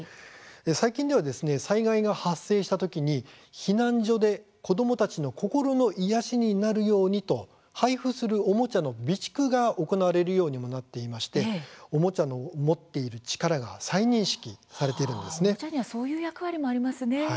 最近では災害が発生したときに避難所で子どもたちの心の癒やしになるようにと配布するおもちゃの備蓄が行われるようにもなっていましておもちゃの持っている力がおもちゃにはそういう役割もありますね。